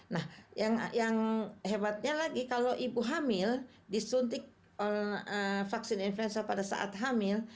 nah yang hebatnya lagi kalau ibu hamil disuntik vaksin influenza pada saat hamil